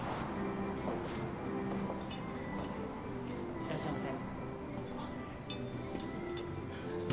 いらっしゃいませ。